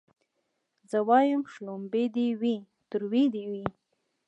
زه وايم شلومبې دي وي تروې دي وي